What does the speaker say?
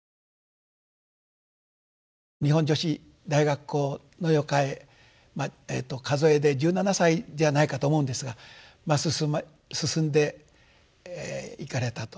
日本女子大学校の予科へ数えで１７歳ではないかと思うんですが進んで行かれたと進まれたということ。